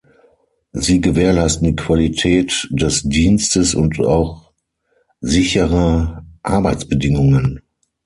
Sie gewährleisten die Qualität des Dienstes und auch sicherer Arbeitsbedingungen.